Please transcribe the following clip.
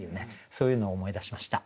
そういうのを思い出しました。